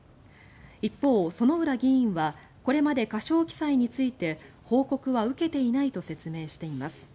一方、薗浦議員はこれまで過少記載について報告は受けていないと説明しています。